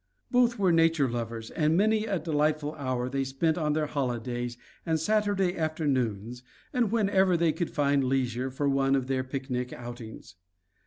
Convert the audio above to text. Bothe were nature lovers and many a delightful hour they spent on their holidays and Saturday afternoons and whenever they could find leisure for one of their picnic outings.